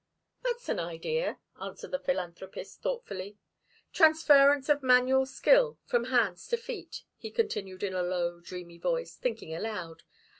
"That's an idea," answered the philanthropist, thoughtfully. "Transference of manual skill from hands to feet," he continued in a low, dreamy voice, thinking aloud.